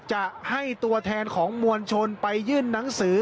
จะให้ตัวแทนของมวลชนไปยื่นหนังสือ